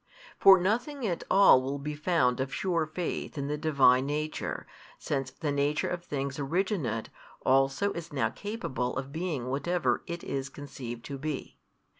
For nothing at all will be found of sure faith in the Divine Nature, since the nature of things originate also is now capable of being whatever It is conceived to be.